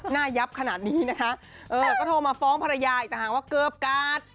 หน้ายับขนาดนี้นี่นะฮะก็โทรมาฟ้องภรรยาอีกต่อไปว่าเกิบกัด